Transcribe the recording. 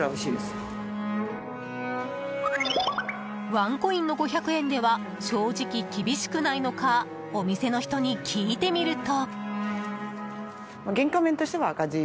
ワンコインの５００円では正直厳しくないのかお店の人に聞いてみると。